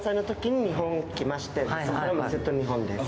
そのあとずっと日本です